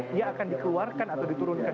dia akan dikeluarkan atau diturunkan